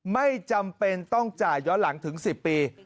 ไม่จำเป็นต้องจ่ายย้อนหลังถึง๑๐ปี